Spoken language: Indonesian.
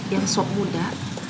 yang swap muda